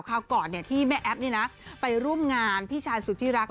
คราวก่อนที่แม่แอ๊บไปร่วมงานพี่ชายสุดที่รัก